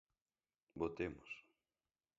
Votemos.